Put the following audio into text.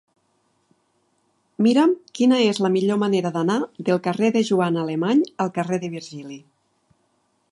Mira'm quina és la millor manera d'anar del carrer de Joana Alemany al carrer de Virgili.